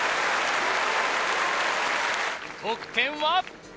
得点は？